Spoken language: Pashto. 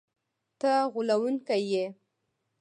ته غولونکی یې!”